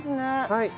はい。